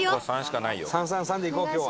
「３」「３」「３」でいこう今日は。